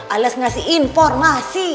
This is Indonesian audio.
alias ngasih informasi